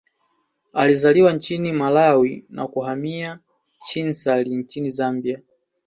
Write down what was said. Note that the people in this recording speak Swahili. Alizaliwa nchini Malawi na kuhamia Chinsali nchini Zambia